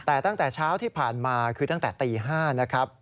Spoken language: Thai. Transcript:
แต่ตั้งแต่เช้าที่ผ่านมาคือตั้งแต่ตี๕นะครับ